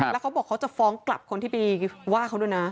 แล้วเขาบอกเขาจะฟ้องกลับคนที่ไปว่าเขาด้วยนะ